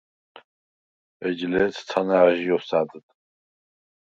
ეჯ ლე̄თ თანა̈ღჟი ოსა̈დდ.